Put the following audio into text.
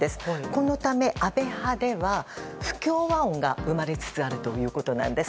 このため、安倍派では不協和音が生まれつつあるということなんです。